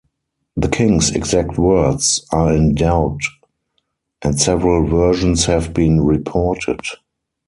The king's exact words are in doubt and several versions have been reported.